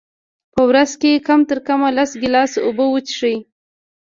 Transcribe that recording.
په ورځ کي کم ترکمه لس ګیلاسه اوبه وچیښئ